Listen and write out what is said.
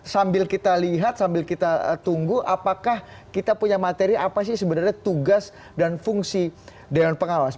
sambil kita lihat sambil kita tunggu apakah kita punya materi apa sih sebenarnya tugas dan fungsi dewan pengawas